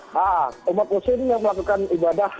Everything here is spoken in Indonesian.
nah umat muslim yang melakukan ibadah